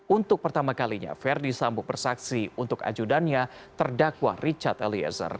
untuk pertama kalinya verdi sambo bersaksi untuk ajudannya terdakwa richard eliezer